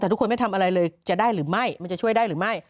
แต่ทุกคนไม่ทำอะไรเลยจะได้หรือไม่มันจะช่วยได้หรือไม่